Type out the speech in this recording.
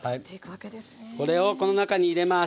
これをこの中に入れます。